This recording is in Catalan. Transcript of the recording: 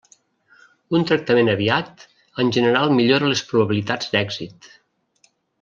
Un tractament aviat en general millora les probabilitats d'èxit.